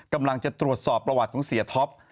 กำลังจะตรวจสอบประวัติของเสียท็อป